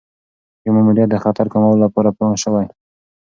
یو ماموریت د خطر کمولو لپاره پلان شوی.